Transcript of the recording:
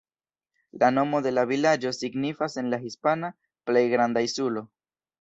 La nomo de la vilaĝo signifas en la hispana "Plej granda insulo".